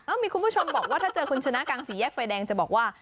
มีคุณผู้ชมบอกว่าถ้าเจอคุณชนะกลางสี่แยกไฟแดงจะบอกว่า